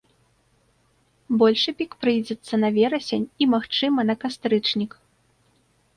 Большы пік прыйдзецца на верасень і, магчыма, на кастрычнік.